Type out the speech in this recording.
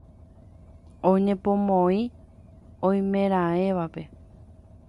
Oñepomoĩ oimeraẽvape.